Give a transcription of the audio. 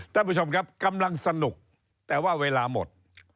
ท่านผู้ชมครับกำลังสนุกแต่ว่าเวลาหมด